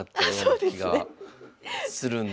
気がするんで。